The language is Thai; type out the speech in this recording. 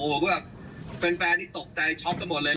ผมก็แบบแฟนแฟนที่ตกใจช็อคกันหมดเลย